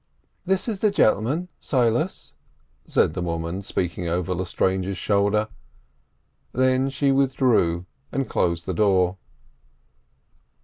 "This is the gentleman, Silas," said the woman, speaking over Lestrange's shoulder. Then she withdrew and closed the door.